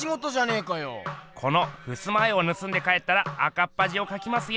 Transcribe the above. このふすま絵をぬすんで帰ったら赤っぱじをかきますよ。